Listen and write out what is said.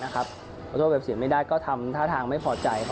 ขอโทษแบบเสียไม่ได้ก็ทำท่าทางไม่พอใจ